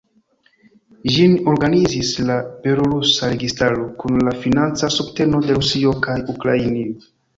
Ĝin organizis la belorusa registaro kun la financa subteno de Rusio kaj Ukrainio.